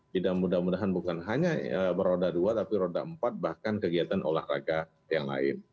tidak mudah mudahan bukan hanya beroda dua tapi roda empat bahkan kegiatan olahraga yang lain